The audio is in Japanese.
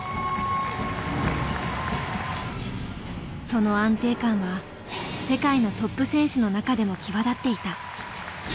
その安定感は世界のトップ選手の中でも際立っていた。